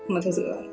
mà thật sự là